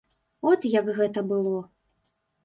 От як гэта было.